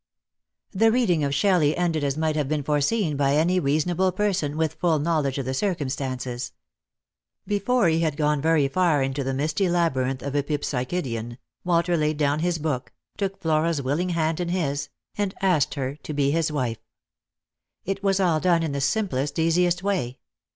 The reading of Shelley ended as might have been foreseen by any reasonable person with full knowledge of the circumstances. Before he had gone very far into the misty labyrinth of " Epip sychidion" Walter laid down his book, took Flora's willing hand in his, and asked her to be his wife. It was all done in the simplest, easiest way.